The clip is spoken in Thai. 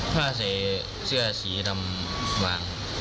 ผ้าใส่เสื้อสีดำวาง